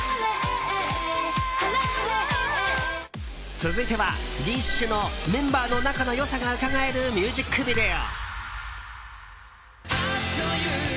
続いては、ＤＩＳＨ／／のメンバーの仲の良さがうかがえるミュージックビデオ。